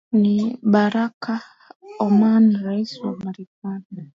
ni barack obama rais wa marekani